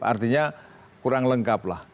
artinya kurang lengkap lah